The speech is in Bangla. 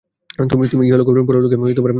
তুমিই ইহলোক ও পরলোকে আমার অভিভাবক।